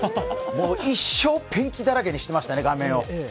もう一生、ペンキだらけにしてましたね、画面を。